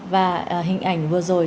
và hình ảnh vừa rồi